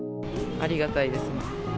ありがたいですね。